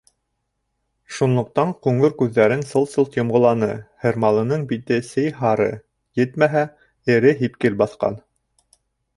Шунлыҡтан ҡуңыр күҙҙәрен сылт-сылт йомғоланы, һырмалының бите сей һары, етмәһә, эре һипкел баҫҡан.